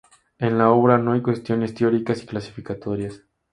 En la obra no hay cuestiones teóricas y clasificatorias.